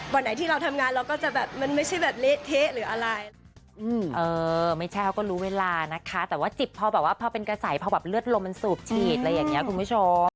วันไหนที่เราทำงานเราก็จะแบบมันไม่ใช่แบบเละเทะหรืออะไร